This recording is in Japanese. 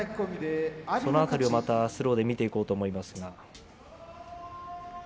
その辺りをスローで見ていこうと思いますが。